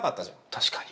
確かに。